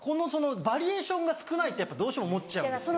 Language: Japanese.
バリエーションが少ないってどうしても思っちゃうんですよ。